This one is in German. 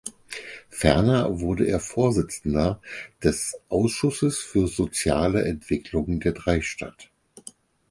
Ferner wurde er Vorsitzender des Ausschusses für soziale Entwicklung der Dreistadt.